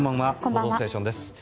「報道ステーション」です。